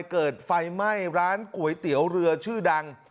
เกิดไฟไหม้ร้านก๋วยเตี๋ยวเรือชื่อดัง